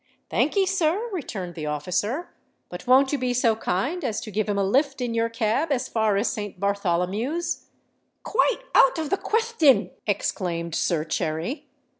"Thanke'e, sir," returned the officer: "but won't you be so kind as to give him a lift in your cab as far as Saint Bartholomew's?" "Quite out of the quethtion!" exclaimed Sir Cherry.